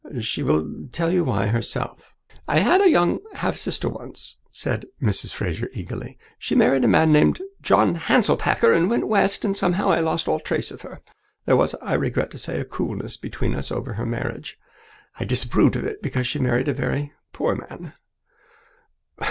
She will tell you why herself." "I had a young half sister once," said Mrs. Fraser eagerly. "She married a man named John Hanselpakker and went West, and somehow I lost all trace of her. There was, I regret to say, a coolness between us over her marriage. I disapproved of it because she married a very poor man.